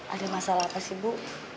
ada masalah apa sih bu